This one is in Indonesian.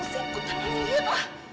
masuk ke dapur